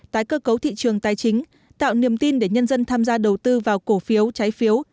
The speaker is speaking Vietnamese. tái cơ cấu thị trường tài chính tạo niềm tin để nhân dân tham gia đầu tư vào cổ phiếu trái phiếu